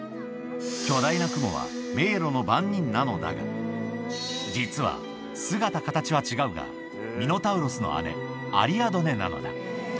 巨大なクモは迷路の番人なのだが、実は、姿かたちは違うが、ミノタウロスの姉、アリアドネなのだ。